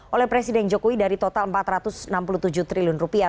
oleh presiden jokowi dari total empat ratus enam puluh tujuh triliun rupiah